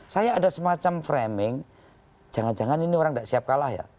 saya ada semacam framing jangan jangan ini orang tidak siap kalah ya